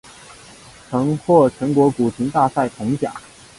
曾获全国古琴大赛铜奖。